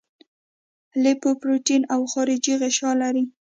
لیپوپروټین او خارجي غشا لري.